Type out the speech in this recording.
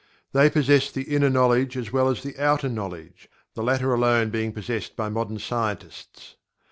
They possessed the Inner Knowledge as well as the Outer Knowledge, the latter alone being possessed by modern scientists.